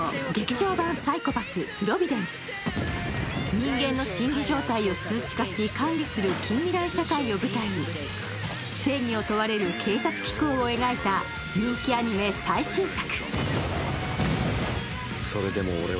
人間の心理状態を数値化し管理する近未来社会を舞台に正義を問われる警察機構を描いた、人気アニメ最新作。